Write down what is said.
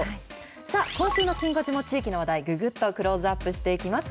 さあ、今週のきん５時も地域の話題、ぐぐっとクローズアップしていきます。